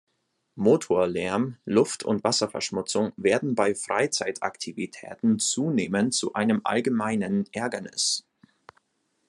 Motorlärm, Luft- und Wasserverschmutzung werden bei Freizeitaktivitäten zunehmend zu einem allgemeinen Ärgernis.